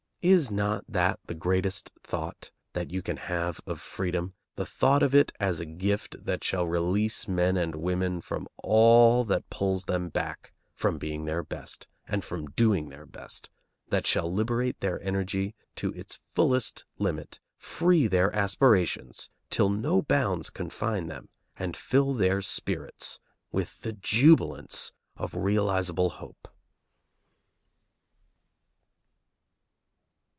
Is not that the greatest thought that you can have of freedom, the thought of it as a gift that shall release men and women from all that pulls them back from being their best and from doing their best, that shall liberate their energy to its fullest limit, free their aspirations till no bounds confine them, and fill their spirits with the jubilance of realizable hope?